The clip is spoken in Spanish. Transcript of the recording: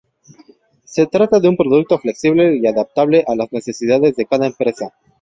Se trata de un producto flexible y adaptable a las necesidades de cada empresa.